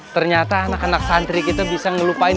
ternyata anak anak santri kita bisa ngelupain